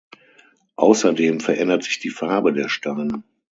Außerdem verändert sich die Farbe der Steine.